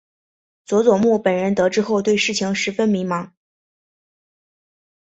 佐佐木本人得知后对事情十分迷惘。